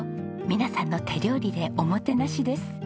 美奈さんの手料理でおもてなしです。